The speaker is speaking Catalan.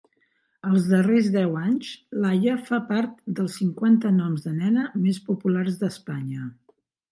Els darrers deu anys, Laia fa part dels cinquanta noms de nena més populars d'Espanya.